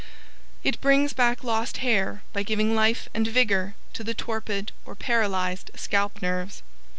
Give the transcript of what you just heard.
It brings back lost hair by giving life and vigor to the torpid or paralyzed scalp nerves.